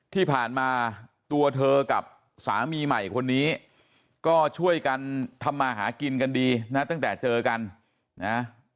ที่ผ่านมาตัวเธอกับสามีใหม่คนนี้ก็ช่วยกันทำมาหากินกันดีนะตั้งแต่เจอกันนะ